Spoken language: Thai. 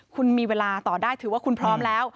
คุณมีเวลาต่อได้ถือว่าคุณพร้อมแล้ว